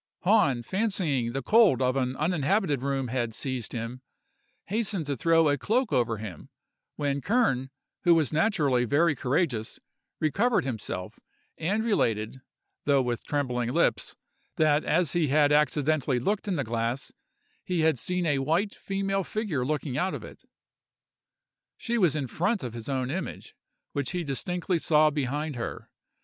Hahn, fancying the cold of an uninhabited room had seized him, hastened to throw a cloak over him, when Kern, who was naturally very courageous, recovered himself, and related, though with trembling lips, that as he had accidentally looked in the glass, he had seen a white female figure looking out of it; she was in front of his own image, which he distinctly saw behind her.